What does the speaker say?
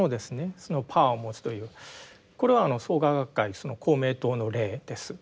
そのパワーを持つというこれはあの創価学会公明党の例です。